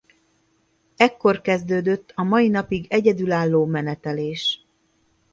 Ekkor kezdődött a mai napig egyedülálló menetelés.